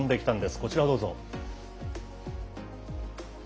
こちらをどうぞ。